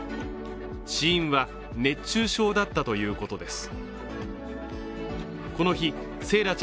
死因は熱中症だったということです。